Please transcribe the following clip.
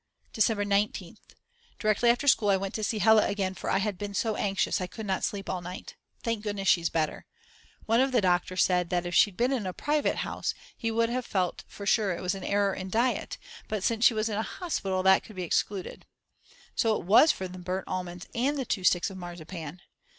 December 19th. Directly after school I went to see Hella again for I had been so anxious I could not sleep all night. Thank goodness she's better. One of the doctors said that if she'd been in a private house he would have felt sure it was an error in diet, but since she was in hospital that could be excluded. So it was from the burnt almonds and the two sticks of marzipan.